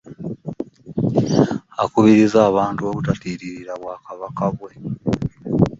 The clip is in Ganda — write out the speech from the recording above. Akubirizza abantu obutatiiririra Bwakabaka bwabwe